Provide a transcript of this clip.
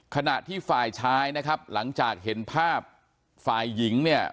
ขณะที่ฝ่ายชายนะครับหลังจากเห็นภาพฝ่ายหญิงเนี่ย